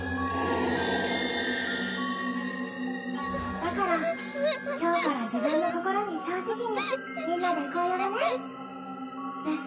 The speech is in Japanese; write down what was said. だから今日から自分の心に正直にみんなでこう呼ぶねブス